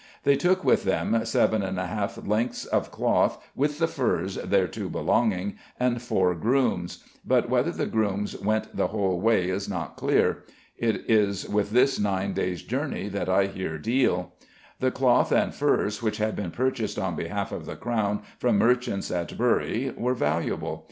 They took with them seven and a half lengths of cloth with the furs thereto belonging, and four grooms, but whether the grooms went the whole way is not clear. It is with this nine days' journey that I here deal. The cloth and furs which had been purchased on behalf of the crown from merchants at Bury were valuable.